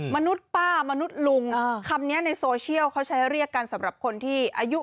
มนุษย์ป้ามนุษย์ลุงคำนี้ในโซเชียลเขาใช้เรียกกันสำหรับคนที่อายุ